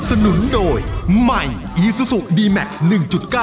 สวัสดีค่ะ